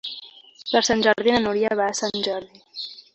Per Sant Jordi na Núria va a Sant Jordi.